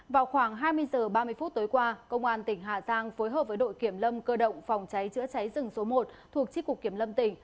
vào khoảng hai mươi h ba mươi phút tối qua công an tỉnh hà giang phối hợp với đội kiểm lâm cơ động phòng cháy chữa cháy rừng số một thuộc tri cục kiểm lâm tỉnh